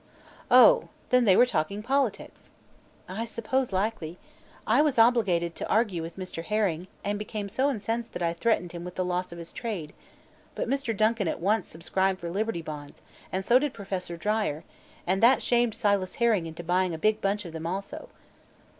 "Oh; then they were talking politics." "I suppose likely. I was obliged to argue with Mr. Herring and became so incensed that I threatened him with the loss of his trade. But Mr. Duncan at once subscribed for Liberty Bonds, and so did Professor Dyer, and that shamed Silas Herring into buying a big bunch of them also."